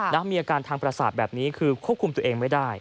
แล้วมีอาการทางประสาทแบบนี้คือควบคุมตัวเองไม่ได้